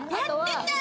やってた！